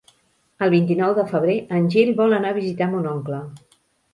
El vint-i-nou de febrer en Gil vol anar a visitar mon oncle.